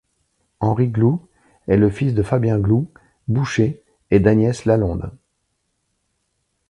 Henri Groulx est le fils de Fabien Groulx, boucher, et d'Agnès Lalonde.